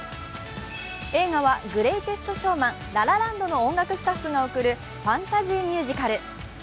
映画は「グレイテスト・ショーマン」「ラ・ラ・ランド」の音楽スタッフが送るファンタジーミュージカル。